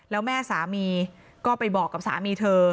แล้วแม่สามีก็ไปบอกกับสามีเธอ